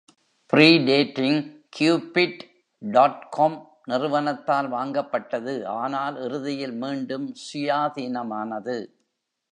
Pre-Dating, Cupid dot com நிறுவனத்தால் வாங்கப்பட்டது. ஆனால் இறுதியில் மீண்டும் சுயாதீனமானது.